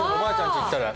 家行ったら。